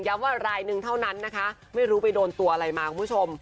ว่ารายหนึ่งเท่านั้นนะคะไม่รู้ไปโดนตัวอะไรมาคุณผู้ชม